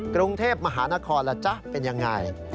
กรุงเทพมหานครล่ะจ๊ะเป็นยังไง